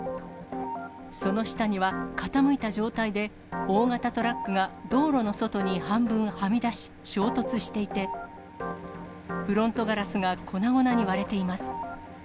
その下には、傾いた状態で、大型トラックが道路の外に半分はみ出し、衝突していて、フロントガラスが粉々に割れています。